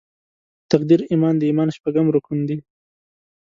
په تقدیر ایمان د ایمان شپږم رکن دې.